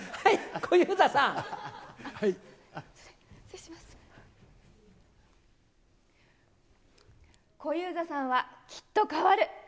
小遊三さんはきっと変わる。